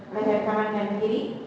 leher kanan dan kiri